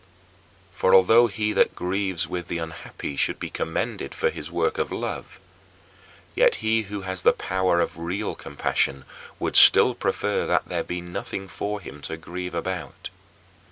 For although he that grieves with the unhappy should be commended for his work of love, yet he who has the power of real compassion would still prefer that there be nothing for him to grieve about.